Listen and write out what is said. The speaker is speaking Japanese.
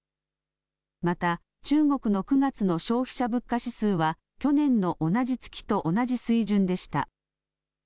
また、中国の９月の消費者物価指数は去年の同じ月と同じ水準でした。